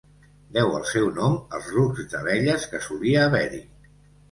Deu el seu nom als ruscs d'abelles que solia haver-hi.